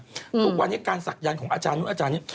ทุกวันนี้การศักยันต์ของอาจารย์นู้นอาจารย์นี้